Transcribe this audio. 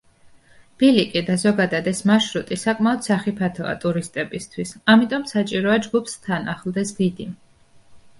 ბილიკი და ზოგადად ეს მარშრუტი საკმაოდ სახიფათოა ტურისტებისთვის, ამიტომ საჭიროა ჯგუფს თან ახლდეს გიდი.